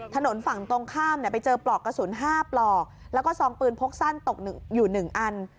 ถนนฝั่งตรงข้ามไปเจอปลอกกระสุน๕ปลอกแล้วก็ซองปืนพกสั้นตกอยู่๑อัน